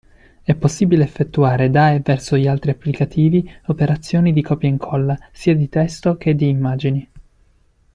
È possibile effettuare da e verso gli altri applicativi operazioni di copia/incolla sia di testo che di immagini.